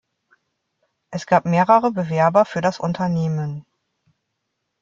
Es gab mehrere Bewerber für das Unternehmen.